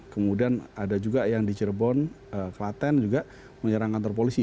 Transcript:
kemudian ada juga yang di cirebon klaten juga menyerang kantor polisi